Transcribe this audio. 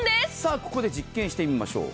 ここで実験してみましょう。